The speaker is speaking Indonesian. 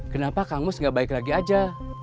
kenapa kamu segera baik lagi aja